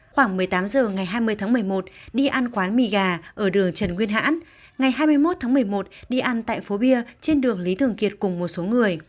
khoảng một mươi tám h ngày hai mươi tháng một mươi một đi ăn quán mì gà ở đường trần nguyên hãn ngày hai mươi một tháng một mươi một đi ăn tại phố bia trên đường lý thường kiệt cùng một số người